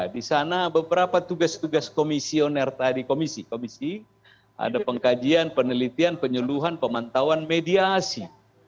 di sana beberapa tugas tugas komisioner tadi komisi komisi ada pengkajian penelitian penyeluhan pemantauan mediasi